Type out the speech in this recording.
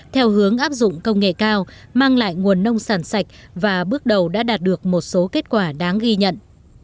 theo hướng áp dụng công nghệ cao mang lại nguồn nông sản sạch và bước đầu đã đạt được một số kết quả đáng ghi nhận